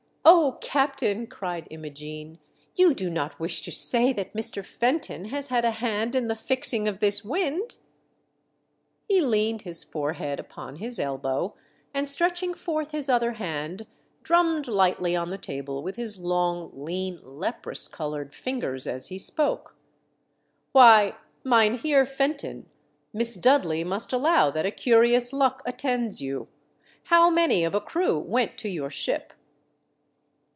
"Oh, captain!" cried Im.o:^'ene, "you do 330 THE DEATH SHIP. not wish to say that Mr. Fenton has had a hand in the fixing of this wind .*" He leaned his forehead upon his elbow, and stretching forth his other hand, drummed lightly on the table with his long, lean, leprous coloured fmgers as he spoke. " Why, Mynheer Fenton, Miss Dudley must allow that a curious luck attends you. How many of a crew went to your ship